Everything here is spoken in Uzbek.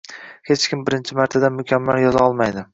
Hech kim birinchi martadan mukammal yoza olmaydi